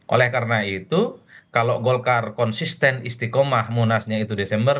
oleh karena itu kalau golkar konsisten istiqomah munasnya itu desember